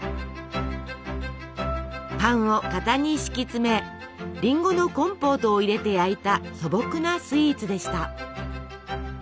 パンを型に敷き詰めりんごのコンポートを入れて焼いた素朴なスイーツでした。